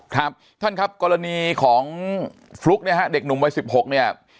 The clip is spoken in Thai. ครับท่านครับกรณีของฟลุ๊กเนี่ยฮะเด็กหนุ่มวัย๑๖เนี่ย